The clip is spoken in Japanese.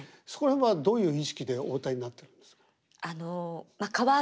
そこら辺はどういう意識でお歌いになってるんですか？